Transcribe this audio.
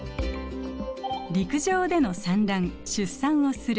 「陸上での産卵・出産をする」。